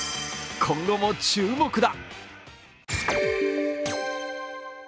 今後も注目だ。